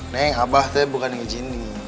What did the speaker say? neng abah teh bukan ngijinin